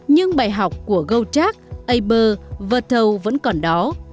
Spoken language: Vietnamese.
nhưng bài học của gotrak uber verto vẫn còn đó